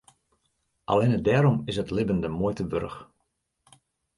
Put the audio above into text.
Allinne dêrom is it libben de muoite wurdich.